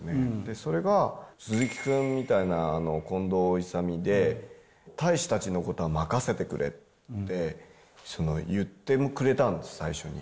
それが鈴木君みたいな近藤勇で、隊士たちのことは任せてくれって言ってくれたんです、最初に。